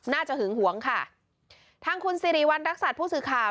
หึงหวงค่ะทางคุณสิริวัณรักษัตริย์ผู้สื่อข่าว